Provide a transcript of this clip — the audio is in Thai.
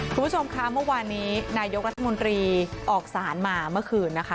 คุณผู้ชมคะเมื่อวานนี้นายกรัฐมนตรีออกสารมาเมื่อคืนนะคะ